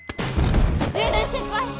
充電失敗。